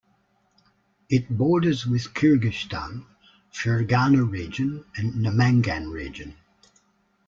It borders with Kyrgyzstan, Fergana Region and Namangan Region.